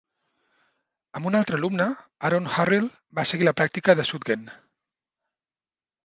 Amb un altre alumne, Aaron Hurrill, va seguir la pràctica de Sugden.